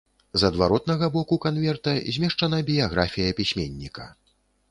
З адваротнага боку канверта змешчана біяграфія пісьменніка.